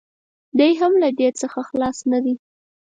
دی هم له دې څخه خلاص نه دی.